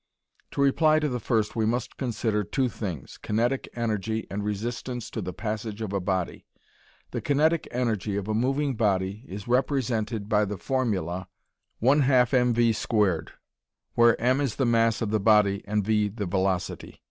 To reply to the first we must consider two things, kinetic energy and resistance to the passage of a body. The kinetic energy of a moving body is represented by the formula 1/2 mv^2 where m is the mass of the body and v the velocity.